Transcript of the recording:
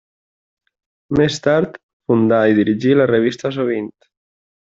Més tard, fundà i dirigí la revista Sovint.